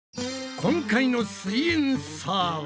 今回の「すイエんサー」は？